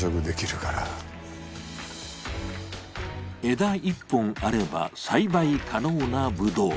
枝１本あれば栽培可能なぶどう。